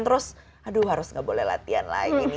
terus aduh harus nggak boleh latihan lagi nih